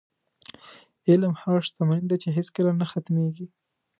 علم هغه شتمني ده، چې هېڅکله نه ختمېږي.